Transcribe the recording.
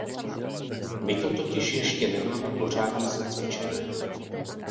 My to totiž ještě nemáme pořádně secvičené.